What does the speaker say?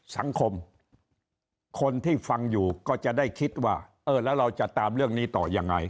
สังคมคนที่ฟังอยู่ก็จะได้คิดว่าเออแล้วเราจะตามเรื่องนี้ต่อยังไง